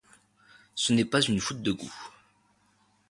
ce n'est pas une faute de goût.